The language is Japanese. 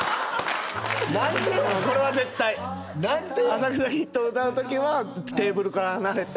『浅草キッド』を歌うときはテーブルから離れて。